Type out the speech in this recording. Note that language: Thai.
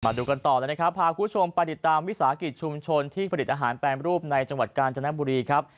ดูกันต่อเลยนะครับพาคุณผู้ชมไปติดตามวิสาหกิจชุมชนที่ผลิตอาหารแปรรูปในจังหวัดกาญจนบุรีครับ